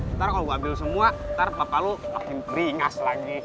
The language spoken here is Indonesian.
nanti kalau gua ambil semua nanti bapak lu makin beringas lagi